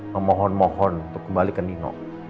memohon mohon untuk kembali ke nino